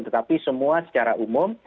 tetapi semua secara umum